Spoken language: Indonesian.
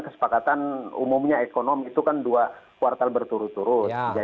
kesepakatan umumnya ekonom itu kan dua kuartal berturut turut